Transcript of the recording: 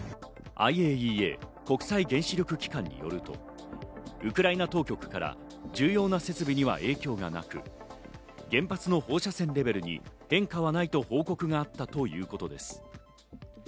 ＩＡＥＡ＝国際原子力機関によると、ウクライナ当局から重要な設備には影響がなく、原発の放射線レベルに変化はないと報告があったということです。